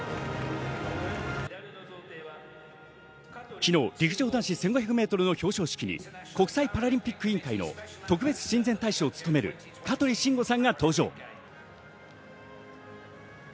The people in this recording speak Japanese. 昨日、陸上男子１５００ｍの表彰式に国際パラリンピック委員会の特別親善大使を務める香取慎吾さんが登場。